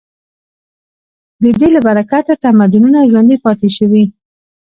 د دې له برکته تمدنونه ژوندي پاتې شوي.